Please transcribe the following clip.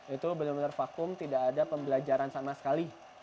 itu benar benar vakum tidak ada pembelajaran sama sekali